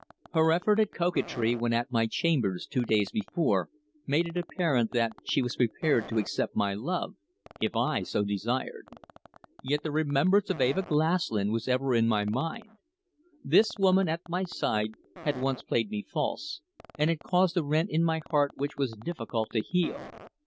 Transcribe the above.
Her effort at coquetry when at my chambers two days before made it apparent that she was prepared to accept my love, if I so desired. Yet the remembrance of Eva Glaslyn was ever in my mind. This woman at my side had once played me false, and had caused a rent in my heart which was difficult to heal.